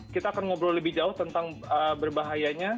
kita akan ngobrol lebih jauh tentang berbahayanya